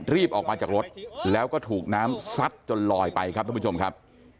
รีบออกมาจากรถแล้วก็ถูกน้ำซัดจนลอยไปครับทุกผู้ชมครับ